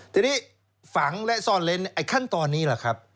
ทีนี้ฝังและซ่อนเล้นไอ้ขั้นตอนนี้แหละครับ